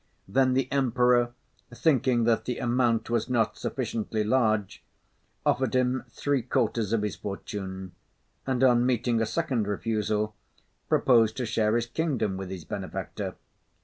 Then the Emperor, thinking that the amount was not sufficiently large, offered him three quarters of his fortune, and on meeting a second refusal, proposed to share his kingdom with his benefactor.